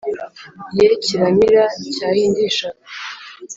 ye kiramira cyahindishaga